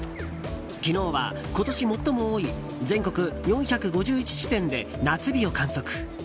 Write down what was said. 昨日は今年最も多い全国４５１地点で夏日を観測。